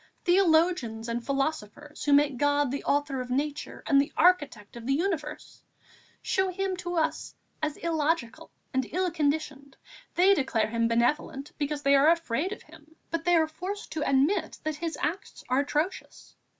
Theologians and philosophers, who make God the author of Nature and the architect of the universe, show Him to us as illogical and ill conditioned. They declare Him benevolent, because they are afraid of Him, but they are forced to admit that His acts are atrocious.